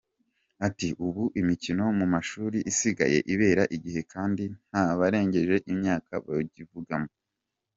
Ati :”ubu imikino mu mashuri isigaye ibera igihe kandi ntabarengeje imyaka bakivangamo”.